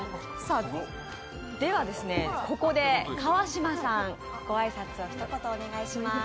ではここで川島さん、ご挨拶をひと言お願いします。